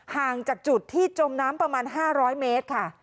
ห่างจากจุดที่จมน้ำประมาณ๕๐๐เมตรค่ะ